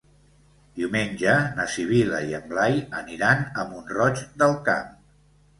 Diumenge na Sibil·la i en Blai aniran a Mont-roig del Camp.